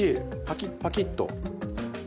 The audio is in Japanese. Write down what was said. パキッパキッと。